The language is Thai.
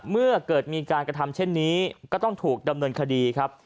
เมื่อเกิดมีการกระทำเช่นนี้ก็ต้องถูกดำเนินคดีครับ